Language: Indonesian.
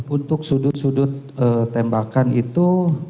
untuk sudut sudut tembakan itu